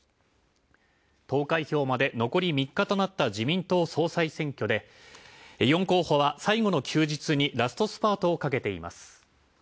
投開票まで残り３日となった自民党総裁選挙で４候補は最後の休日にラストスパートをかけています。